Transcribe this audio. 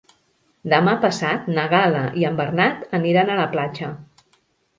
Demà passat na Gal·la i en Bernat aniran a la platja.